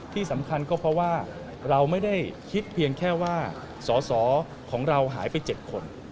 ที่สำคัญก็เพราะว่าเราไม่ได้คิดเพียงแค่ว่าสอสอของเราหายไป๗คน